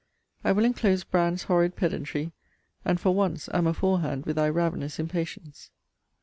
I will enclose Brand's horrid pedantry. And for once am aforehand with thy ravenous impatience.